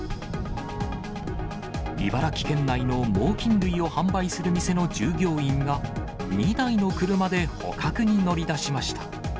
茨城県内の猛きん類を販売する店の従業員が、２台の車で捕獲に乗り出しました。